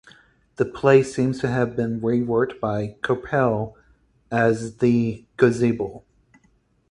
The play seems to have been reworked by Coppel as "The Gazebo".